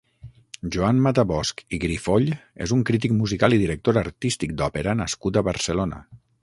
Joan Matabosch i Grifoll és un crític musical i director artístic d'òpera nascut a Barcelona.